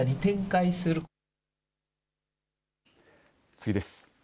次です。